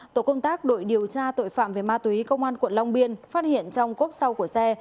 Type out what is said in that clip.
tổ công tác đội điều tra tội phạm về ma túy công an quận long biên phát hiện trong cốp sau của xe